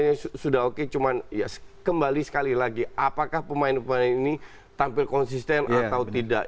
ini sudah oke cuman ya kembali sekali lagi apakah pemain pemain ini tampil konsisten atau tidak